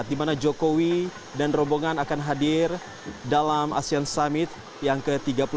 di mana jokowi dan rombongan akan hadir dalam asean summit yang ke tiga puluh dua